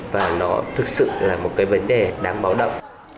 và nó thực sự là một cái vấn đề đáng báo động